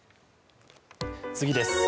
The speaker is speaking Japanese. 次です。